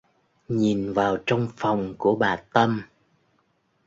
Nhìn vào trong phòng của bà tâm